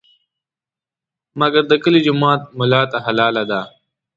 مګر د کلي جومات ملا ته حلاله ده.